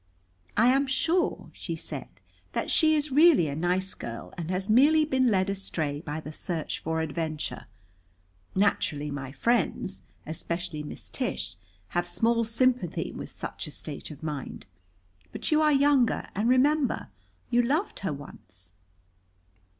"I am sure," she said, "that she is really a nice girl, and has merely been led astray by the search for adventure. Naturally my friends, especially Miss Tish, have small sympathy with such a state of mind. But you are younger and remember, you loved her once."